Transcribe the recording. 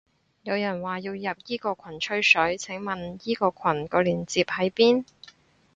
有人話要入依個羣吹水，請問依個羣個鏈接喺邊？